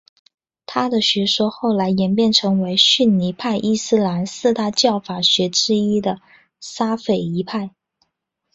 他的学说后来演变成为逊尼派伊斯兰四大教法学之一的沙斐仪派。